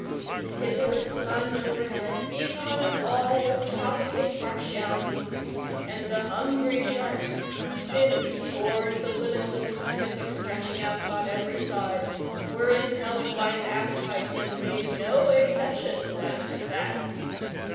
The pitiless sun overhead beat on us all with tropic impartiality, and the hungry sharks, whose fins scored the limitless Pacific stretching out on every side, were impelled by an appetite that made no exceptions as to sex.